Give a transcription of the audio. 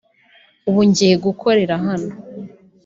ubu ngiye gukorera hano